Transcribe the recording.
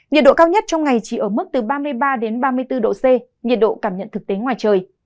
nhiệt độ cao nhất trong ngày chỉ ở mức từ ba mươi ba ba mươi bốn độ c nhiệt độ cảm nhận thực tế ngoài trời